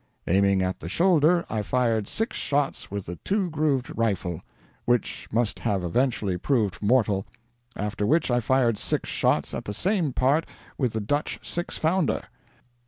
Aiming at the shoulder, I fired six shots with the two grooved rifle, which must have eventually proved mortal, after which I fired six shots at the same part with the Dutch six founder.